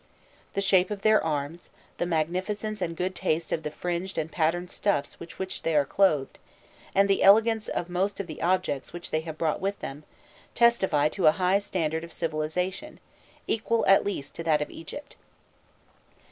The shape of their arms, the magnificence and good taste of the fringed and patterned stuffs with which they are clothed, the elegance of most of the objects which they have brought with them, testify to a high standard of civilisation, equal at least to that of Egypt.